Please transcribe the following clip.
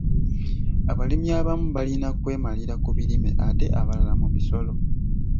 Abalimi abamu balina kwemalira ku birime ate abalala mu bisolo .